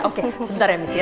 oke sebentar ya miss